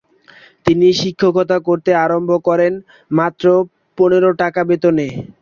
তিনি শিক্ষকতা করতে আরম্ভ করেন মাত্র পনের টাকা বেতনে।